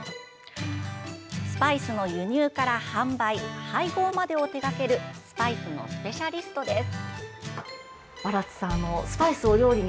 スパイスの輸入から販売配合までを手がけるスパイスのスペシャリストです。